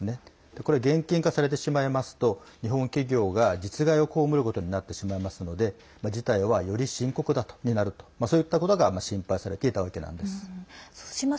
これ、現金化されてしまいますと日本企業が実害を被ることになってしまいますので事態は、より深刻になるとそういったことが心配されていたわけなんです。